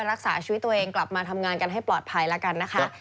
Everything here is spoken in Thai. รักษาชีวิตตัวเองกลับมาทำงานกันให้ปลอดภัยแล้วกันนะคะ